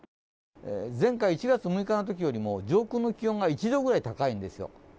前回、１月６日のときよりも、上空の気温が１度ぐらい高いんですよ。